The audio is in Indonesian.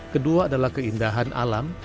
kedua adalah keindahan alam